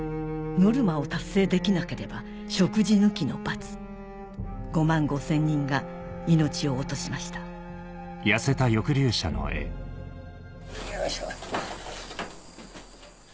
ノルマを達成できなければ食事抜きの罰５万５０００人が命を落としましたよいしょ。